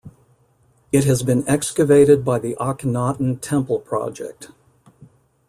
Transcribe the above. It has been excavated by the Akhenaten Temple Project.